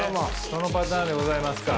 そのパターンでございますか。